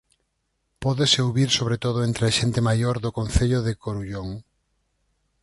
Pódese ouvir sobre todo entre a xente maior do concello de Corullón.